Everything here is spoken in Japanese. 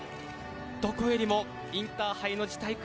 どこよりもインターハイの辞退